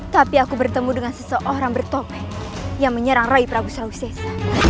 tapi aku bertemu dengan seseorang bertope yang menyerang roy prabu sausesa